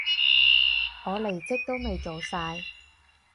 我離職都未做晒